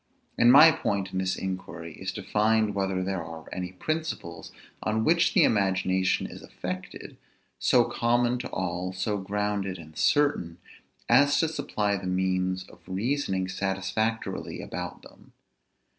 And my point in this inquiry is, to find whether there are any principles, on which the imagination is affected, so common to all, so grounded and certain, as to supply the means of reasoning satisfactorily about them.